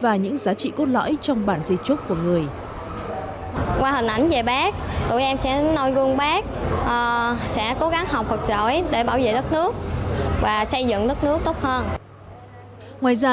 và những giá trị cốt lõi trong bản di trúc của người